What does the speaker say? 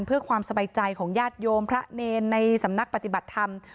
เพื่อความสบายใจของญาติโยมพระเนรในสำนักปฏิบัติธรรม